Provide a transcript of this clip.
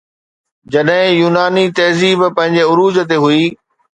جڏهن يوناني تهذيب پنهنجي عروج تي هئي